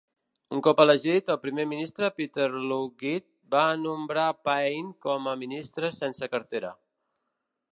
Un cop elegit, el primer ministre Peter Lougheed va nombrar Payne com a ministre sense cartera.